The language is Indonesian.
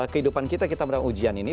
kehidupan kita kita pada ujian ini